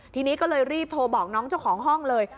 ทีนี้ก็เลยรีบโทรบอกน้องเจ้าของห้องเลย